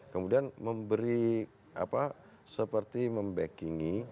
kemudian memberi seperti membackingi